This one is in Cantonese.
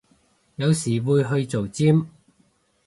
有時會去做尖